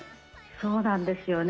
そうなんですよね。